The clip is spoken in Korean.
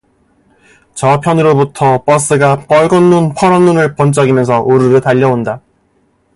저편으로부터 버스가 뻘건 눈 퍼런 눈을 번쩍이면서 우르르 달려온다.